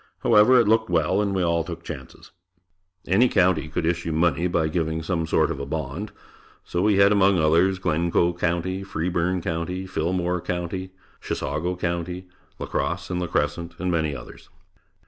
However, it looked well and we all took chances. Any county could issue money by giving some sort of a bond, so we had among others "Glencoe County," "Freeborn County", "Fillmore County," "Chisago County," "La Crosse and La Crescent," and many others.